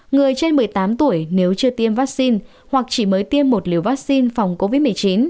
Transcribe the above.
người trên một mươi tám tuổi nếu chưa tiêm vaccine hoặc chỉ mới tiêm một liều vaccine phòng covid một mươi chín